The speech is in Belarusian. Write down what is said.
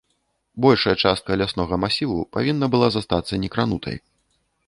Большая частка ляснога масіву павінна была застацца некранутай.